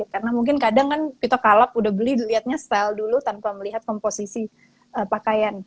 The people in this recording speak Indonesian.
karena mungkin kadang kan kita kalap udah beli dilihatnya style dulu tanpa melihat komposisi pakaian